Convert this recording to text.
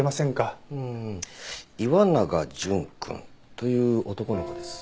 うん岩永純くんという男の子です。